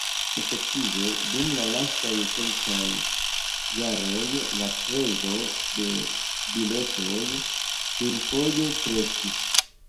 Efektive, dum la lastaj kelkaj jaroj, la prezo de biletoj plurfoje kreskis.